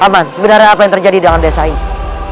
aman sebenarnya apa yang terjadi dalam desa ini